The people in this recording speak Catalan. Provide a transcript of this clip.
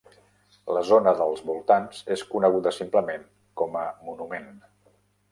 La zona dels voltants és coneguda simplement com a Monument.